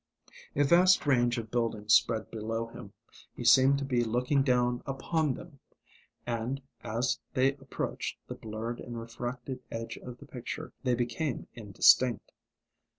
A vast range of buildings spread below him; he seemed to be looking down upon them; and, as they approached the blurred and refracted edge of the picture, they became indistinct.